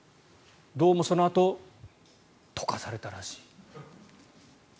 どうもそのあと溶かされたらしい。